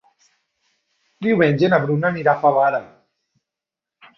Diumenge na Bruna anirà a Favara.